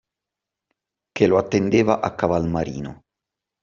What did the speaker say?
Che lo attendeva a Caval Marino